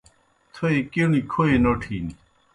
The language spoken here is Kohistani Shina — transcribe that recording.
تھوئی کُݨیُ کھوئی نوٹِھن۔